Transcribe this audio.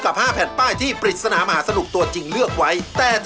ขอเค้าร่วมกับคนที่ส้อของเรา